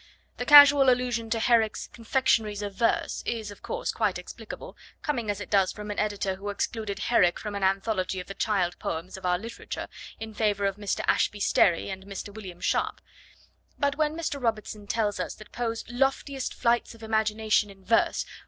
The casual allusion to Herrick's 'confectioneries of verse' is, of course, quite explicable, coming as it does from an editor who excluded Herrick from an anthology of the child poems of our literature in favour of Mr. Ashby Sterry and Mr. William Sharp, but when Mr. Robertson tells us that Poe's 'loftiest flights of imagination in verse